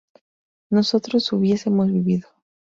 nosotros hubiésemos vivido